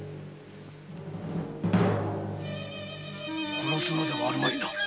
殺すのではあるまいな